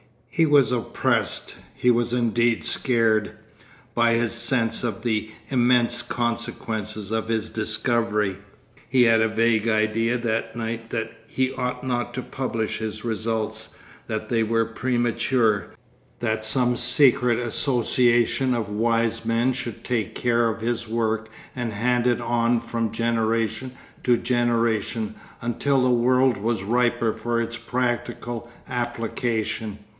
He was oppressed, he was indeed scared, by his sense of the immense consequences of his discovery. He had a vague idea that night that he ought not to publish his results, that they were premature, that some secret association of wise men should take care of his work and hand it on from generation to generation until the world was riper for its practical application.